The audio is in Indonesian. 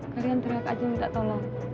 kalian teriak aja minta tolong